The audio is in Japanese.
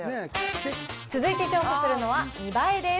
続いて調査するのは、見栄えです。